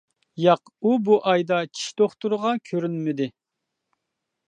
ياق، ئۇ بۇ ئايدا چىش دوختۇرىغا كۆرۈنمىدى.